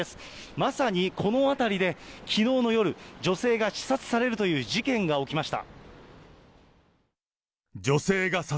まさにこの辺りで、きのうの夜、女性が刺殺されるという事件が起きました。